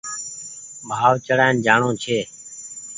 ڀآو چڙآن جآڻو ڇي